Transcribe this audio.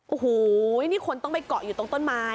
โอ้โหนี่คนต้องไปเกาะอยู่ตรงต้นไม้